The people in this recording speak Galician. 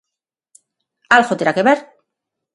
Algo terá que ver.